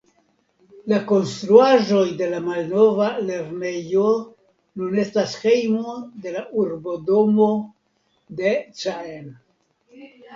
La konstruaĵoj de la malnova lernejo nun estas hejmo de la urbodomo de Caen.